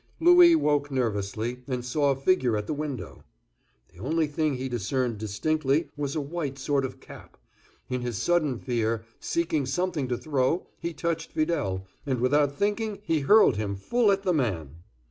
Louis woke nervously, and saw a figure at the window. The only thing he discerned distinctly was a white sort of cap. In his sudden fear, seeking something to throw, he touched Fidele, and without thinking, he hurled him full at the man.